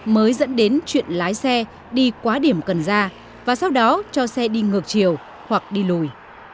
mới dẫn đến chuyện lái xe đi quá điểm cần ra và sau đó cho xe đi ngược chiều hoặc đi lùi